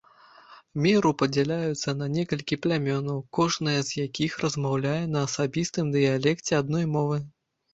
Меру падзяляюцца на некалькі плямёнаў, кожнае з якіх размаўляе на асабістым дыялекце адной мовы.